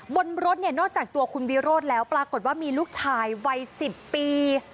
บนรถเนี่ยนอกจากตัวคุณวิโรธแล้วปรากฏว่ามีลูกชายวัย๑๐ปี